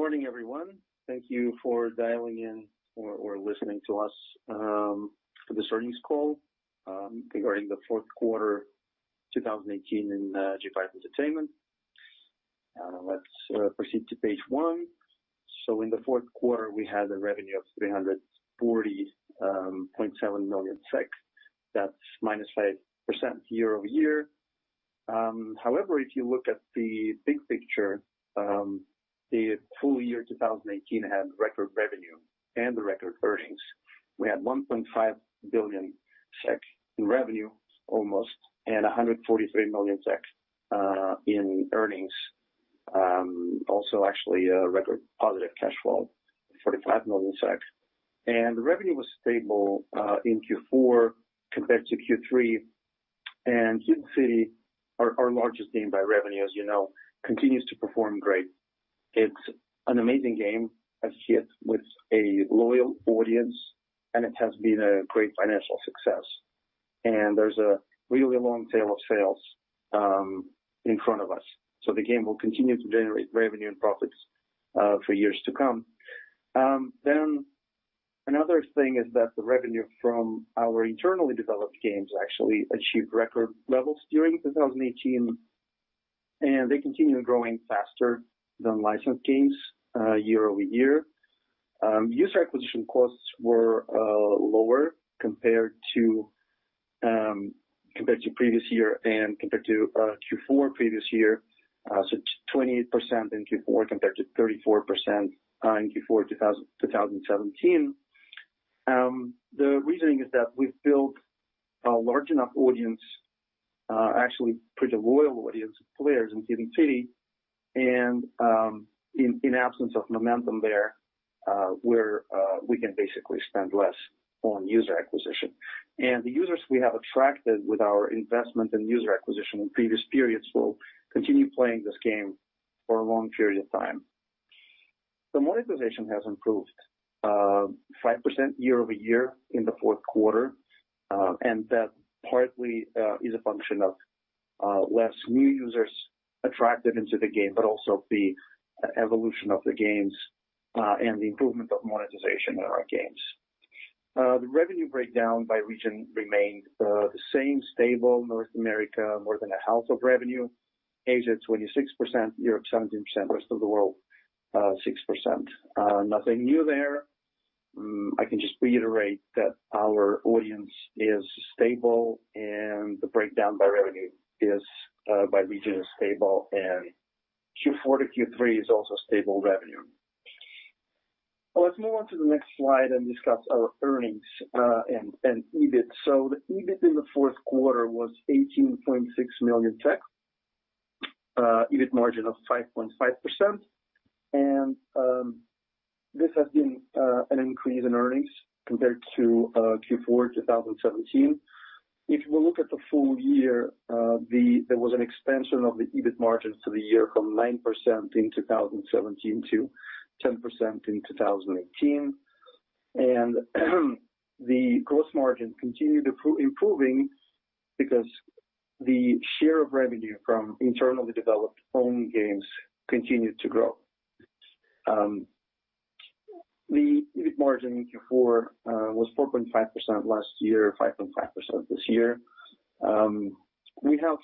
Morning, everyone. Thank you for dialing in or listening to us for this earnings call regarding the fourth quarter 2018 in G5 Entertainment. Let's proceed to page one. In the fourth quarter, we had a revenue of 340.7 million SEK. That's -5% year-over-year. However, if you look at the big picture, the full year 2018 had record revenue and record earnings. We had 1.5 billion SEK in revenue, almost, and 143 million SEK in earnings. Also, actually, a record positive cash flow, 45 million. The revenue was stable in Q4 compared to Q3. Hidden City, our largest game by revenue, as you know, continues to perform great. It's an amazing game, a hit with a loyal audience, and it has been a great financial success. There's a really long tail of sales in front of us. The game will continue to generate revenue and profits for years to come. Another thing is that the revenue from our internally developed games actually achieved record levels during 2018, and they continue growing faster than licensed games year-over-year. User acquisition costs were lower compared to previous year and compared to Q4 previous year. It's 28% in Q4 compared to 34% in Q4 2017. The reasoning is that we've built a large enough audience, actually pretty loyal audience of players in Hidden City, and in absence of momentum there, we can basically spend less on user acquisition. The users we have attracted with our investment in user acquisition in previous periods will continue playing this game for a long period of time. The monetization has improved 5% year-over-year in the fourth quarter, and that partly is a function of less new users attracted into the game, but also the evolution of the games and the improvement of monetization in our games. The revenue breakdown by region remained the same, stable North America, more than a half of revenue, Asia 26%, Europe 17%, rest of the world, 6%. Nothing new there. I can just reiterate that our audience is stable and the breakdown by revenue by region is stable, and Q4 to Q3 is also stable revenue. Let's move on to the next slide and discuss our earnings and EBIT. The EBIT in the fourth quarter was 18.6 million, EBIT margin of 5.5%, and this has been an increase in earnings compared to Q4 2017. If we look at the full year, there was an expansion of the EBIT margins to the year from 9% in 2017 to 10% in 2018. The gross margin continued improving because the share of revenue from internally developed own games continued to grow. The EBIT margin in Q4 was 4.5% last year, 5.5% this year. We have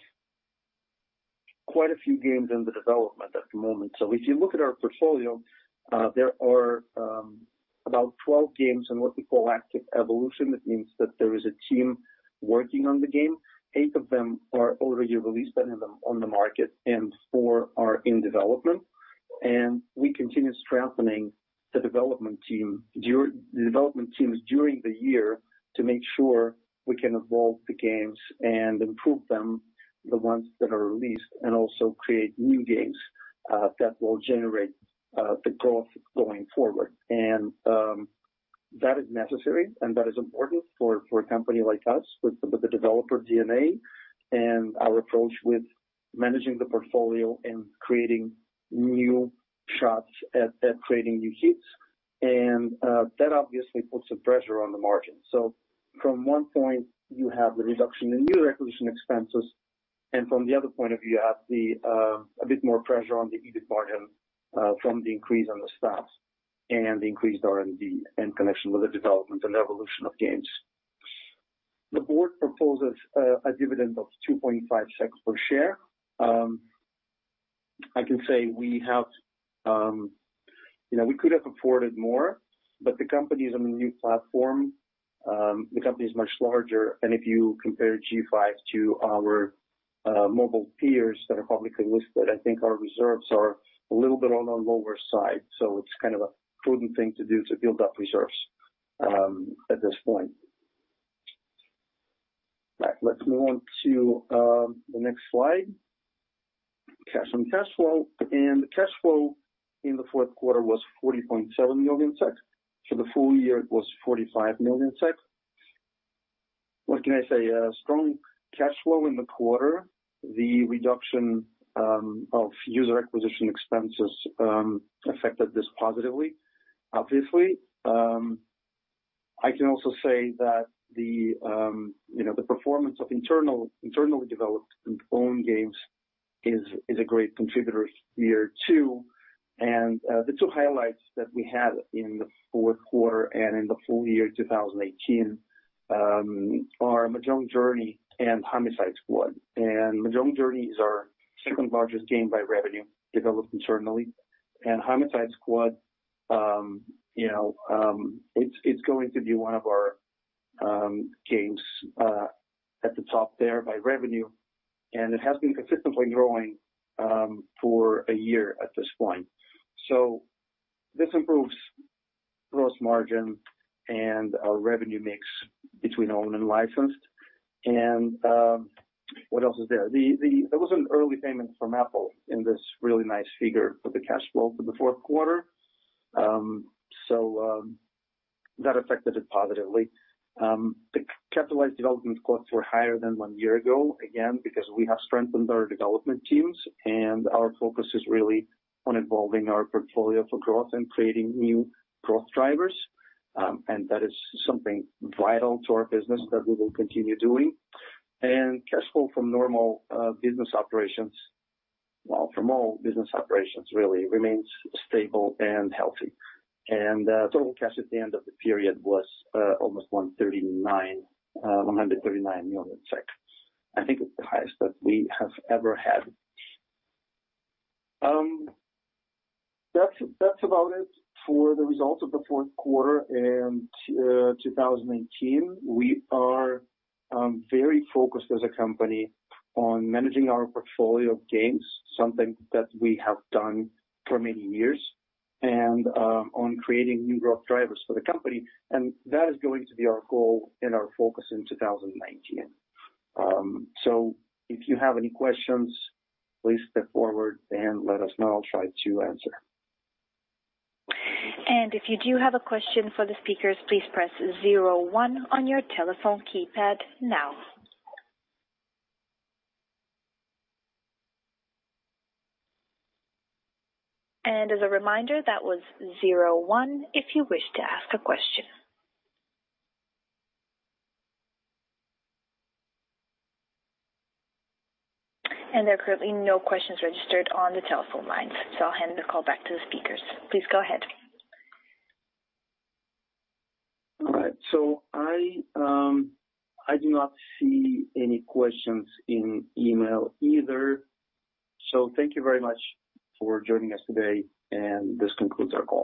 quite a few games in the development at the moment. If you look at our portfolio, there are about 12 games in what we call active evolution. That means that there is a team working on the game. Eight of them are already released and on the market, and four are in development. We continue strengthening the development teams during the year to make sure we can evolve the games and improve them, the ones that are released, and also create new games that will generate the growth going forward. That is necessary and that is important for a company like us with the developer DNA and our approach with managing the portfolio and creating new shots at creating new hits. That obviously puts a pressure on the margin. From one point, you have the reduction in new acquisition expenses, and from the other point of view, you have a bit more pressure on the EBIT margin from the increase on the staff and the increased R&D in connection with the development and evolution of games. The board proposes a dividend of 2.5 per share. I can say we could have afforded more, but the company is on a new platform. The company is much larger, and if you compare G5 to our mobile peers that are publicly listed, I think our reserves are a little bit on the lower side. It's kind of a prudent thing to do to build up reserves at this point. Let's move on to the next slide. Cash and cash flow. Cash flow in the fourth quarter was 40.7 million. For the full year, it was 45 million. What can I say? A strong cash flow in the quarter. The reduction of user acquisition expenses affected this positively, obviously. I can also say that the performance of internally developed and owned games is a great contributor here, too. The two highlights that we had in the fourth quarter and in the full year 2018 are Mahjong Journey and Homicide Squad. Mahjong Journey is our second-largest game by revenue, developed internally. Homicide Squad, it's going to be one of our games at the top there by revenue, and it has been consistently growing for a year at this point. This improves gross margin and our revenue mix between owned and licensed. What else is there? There was an early payment from Apple in this really nice figure for the cash flow for the fourth quarter, so that affected it positively. The capitalized development costs were higher than one year ago, again, because we have strengthened our development teams, and our focus is really on evolving our portfolio for growth and creating new growth drivers. That is something vital to our business that we will continue doing. Cash flow from normal business operations, well, from all business operations really, remains stable and healthy. Total cash at the end of the period was almost 139 million. I think it's the highest that we have ever had. That's about it for the results of the fourth quarter and 2018. We are very focused as a company on managing our portfolio of games, something that we have done for many years, and on creating new growth drivers for the company, and that is going to be our goal and our focus in 2019. If you have any questions, please step forward and let us know. I'll try to answer. If you do have a question for the speakers, please press zero one on your telephone keypad now. As a reminder, that was zero one if you wish to ask a question. There are currently no questions registered on the telephone lines, I'll hand the call back to the speakers. Please go ahead. All right. I do not see any questions in email either. Thank you very much for joining us today, and this concludes our call.